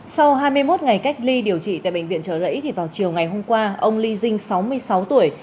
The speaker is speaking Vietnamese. sau hai mươi một ngày cách ly điều trị tại bệnh viện trở lẫy vào chiều ngày hôm qua ông ly dinh sáu mươi sáu tuổi